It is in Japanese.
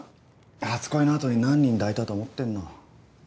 初恋のあとに何人抱いたと思ってんの。